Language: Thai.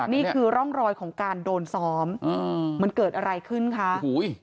นี่คือร่องรอยของการโดนซ้อมอืมมันเกิดอะไรขึ้นคะโอ้โห